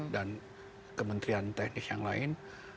dan kementerian teknis yang lain